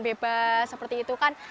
bebas seperti itu kan